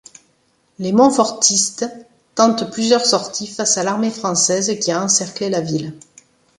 Les montfortistes tentent plusieurs sorties face à l'armée française qui a encerclé la ville.